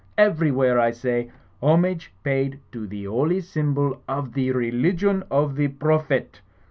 Ever3rwhere, I say, homage paid to the holy symbol of the religion of the Prophet!